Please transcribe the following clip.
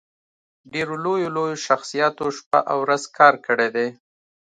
ډېرو لويو لويو شخصياتو شپه او ورځ کار کړی دی